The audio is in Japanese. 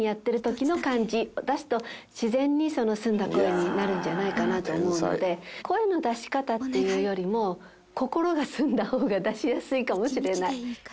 自然に澄んだ声になるんじゃないかなと思うので声の出し方っていうよりも心が澄んだ方が出しやすいかもしれない。